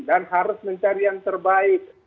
dan harus mencari yang terbaik